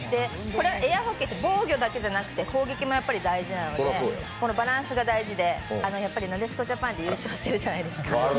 「エアホッケー」って防御だけでなく攻撃も大事なので、このバランスが大事で、やっぱりなでしこジャパンで優勝しているじゃないですか。